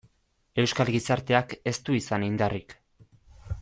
Euskal gizarteak ez du izan indarrik.